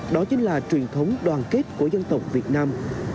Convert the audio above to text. đó chính là truyền thống đoàn kết của dân tộc việt nam